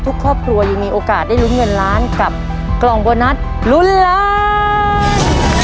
ทุกครอบครัวยังมีโอกาสได้ลุ้นเงินล้านกับกล่องโบนัสลุ้นล้าน